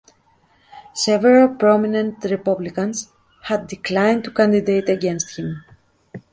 Several prominent Republicans had declined to candidate against him.